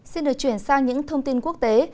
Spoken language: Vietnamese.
xin được chuyển sang những thông tin quốc tế